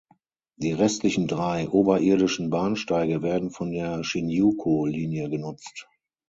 Die restlichen drei oberirdischen Bahnsteige werden von der Shinjuku-Linie genutzt.